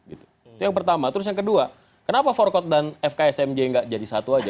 itu yang pertama terus yang kedua kenapa forkot dan fksmj gak jadi satu aja